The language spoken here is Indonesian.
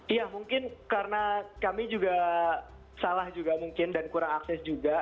iya mungkin karena kami juga salah juga mungkin dan kurang akses juga